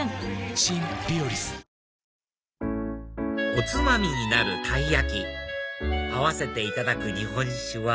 おつまみになるたい焼き合わせていただく日本酒は？